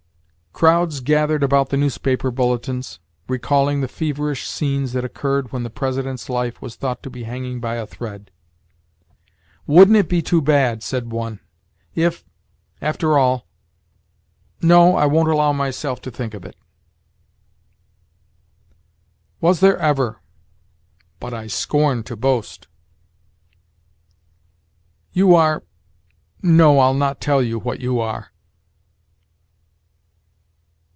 "Crowds gathered about the newspaper bulletins, recalling the feverish scenes that occurred when the President's life was thought to be hanging by a thread. 'Wouldn't it be too bad,' said one, 'if, after all no, I won't allow myself to think of it.'" "Was there ever but I scorn to boast." "You are no, I'll not tell you what you are."